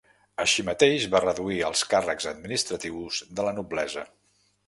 Així mateix va reduir els càrrecs administratius de la noblesa.